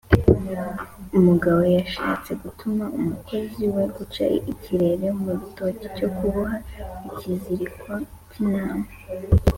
mugabo yashatse gutuma umukozi we guca ikirere mu rutoki cyo kuboha ikiziriko k’intama.